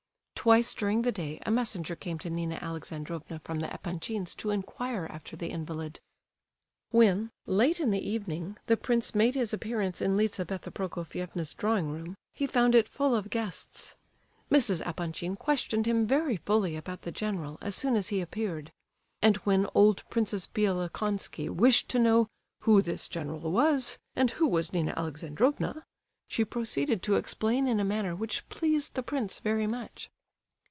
Twice during the day a messenger came to Nina Alexandrovna from the Epanchins to inquire after the invalid. When—late in the evening—the prince made his appearance in Lizabetha Prokofievna's drawing room, he found it full of guests. Mrs. Epanchin questioned him very fully about the general as soon as he appeared; and when old Princess Bielokonski wished to know "who this general was, and who was Nina Alexandrovna," she proceeded to explain in a manner which pleased the prince very much.